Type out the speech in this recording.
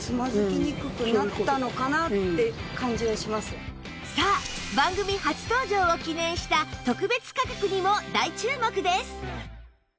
さらにさあ番組初登場を記念した特別価格にも大注目です！